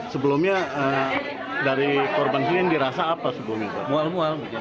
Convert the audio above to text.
sebelumnya dari korban sini dirasa apa sebelumnya